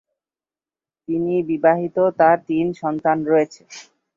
তিনি বিবাহিত, তাঁর তিন সন্তান রয়েছে।